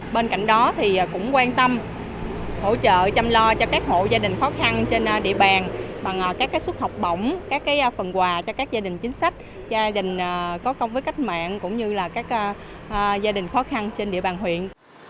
bên cạnh đó cũng quan tâm hỗ trợ chăm lo cho các hộ gia đình khó khăn trên địa bàn bằng các suất học bổng các phần quà cho các gia đình chính sách gia đình có công với cách mạng cũng như là các gia đình khó khăn trên địa bàn huyện